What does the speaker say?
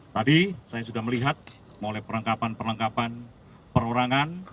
tadi saya sudah melihat mulai perlengkapan perlengkapan perorangan